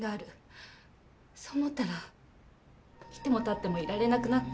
そう思ったらいてもたってもいられなくなって。